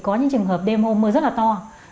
có những trường hợp đêm hôm mưa rất là to